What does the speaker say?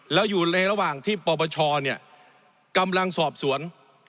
แล้วอยู่ในระหว่างที่ปปชกำลังสอบสวน